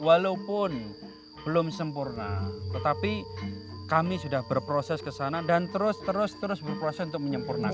walaupun belum sempurna tetapi kami sudah berproses ke sana dan terus terus terus berproses untuk menyempurnakan